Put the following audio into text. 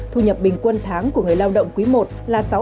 thu nhập bình quân tháng của người lao động quý i là sáu